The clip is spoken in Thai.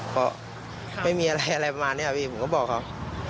เพราะไม่มีอะไรอะไรประมาณนี้พี่ผมก็บอกเขา